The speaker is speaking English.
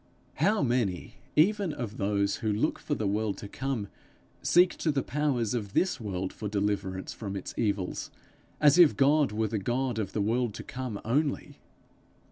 How many even of those who look for the world to come, seek to the powers of this world for deliverance from its evils, as if God were the God of the world to come only!